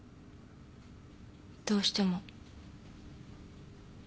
どうしても。